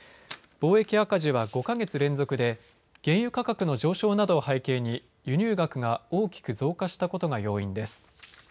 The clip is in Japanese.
貿易赤字は５か月連続で原油価格の上昇などを背景に輸入額が大きく増加したことが要因です。